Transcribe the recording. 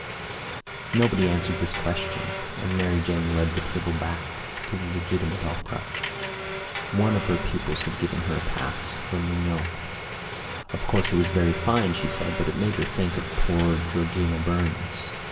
Nobody answered this question and Mary Jane led the table back to the legitimate opera. One of her pupils had given her a pass for Mignon. Of course it was very fine, she said, but it made her think of poor Georgina Burns.